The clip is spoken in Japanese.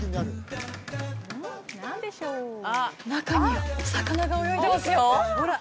中にお魚が泳いでますよ